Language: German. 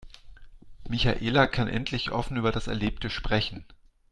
Michaela kann endlich offen über das Erlebte sprechen.